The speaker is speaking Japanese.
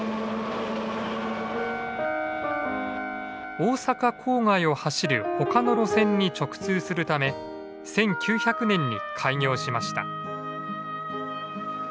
大阪郊外を走る他の路線に直通するため１９００年に開業しました。